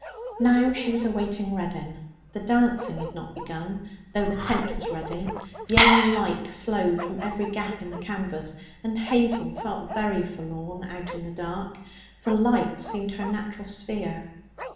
Now she was awaiting Reddin. The dancing had not begun, though the tent was ready. Yellow light flowed from every gap in the canvas, and Hazel felt very forlorn out in the dark; for light seemed her natural sphere.